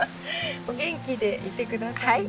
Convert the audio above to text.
お元気でいて下さいね。